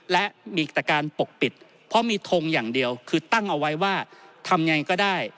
และมีแต่การปกปิดเพราะมีทงอย่างเดียวคือตั้งเอาไว้ว่าทำยังไงก็ได้